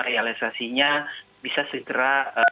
realisasinya bisa segera